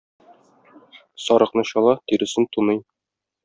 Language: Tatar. Сарыкны чала, тиресен туный.